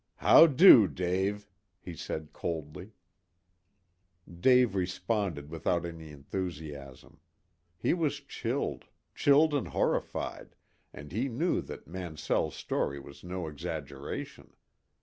"How do, Dave?" he said coldly. Dave responded without any enthusiasm. He was chilled, chilled and horrified, and he knew that Mansell's story was no exaggeration.